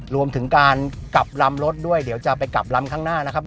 รวมถึงการกลับลำรถด้วยเดี๋ยวจะไปกลับลำข้างหน้านะครับ